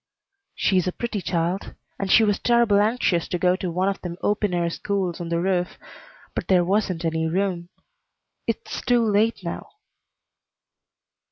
"She's a pretty child, and she was terrible anxious to go to one of them open air schools on the roof, but there wasn't any room. It's too late now."